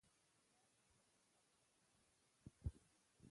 هرات د افغانانو د ګټورتیا برخه ده.